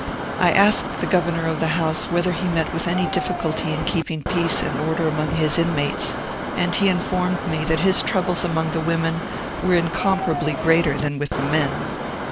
I asked the governor of the house whether he met with any difficulty in keeping peace and order among his inmates; and he informed me that his troubles among the women were incomparably greater than with the men.